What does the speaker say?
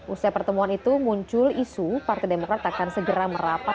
usai pertemuan itu muncul isu partai demokrat akan segera merapat